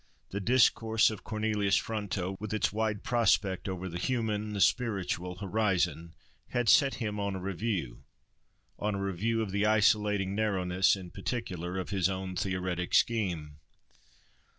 The discourse of Cornelius Fronto, with its wide prospect over the human, the spiritual, horizon, had set him on a review—on a review of the isolating narrowness, in particular, of his own theoretic scheme.